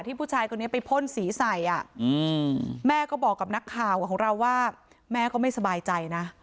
ผู้ชายคนนี้ไปพ่นสีใส่แม่ก็บอกกับนักข่าวของเราว่าแม่ก็ไม่สบายใจนะ